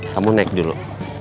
kamu naik dulu